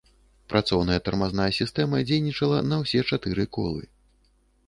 Працоўная тармазная сістэма дзейнічала на ўсе чатыры колы.